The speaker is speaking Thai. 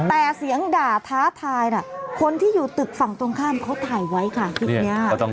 แต่เสียงด่าท้าทายคนที่อยู่ตึกฝั่งตรงข้ามเขาถ่ายไว้ค่ะคลิปนี้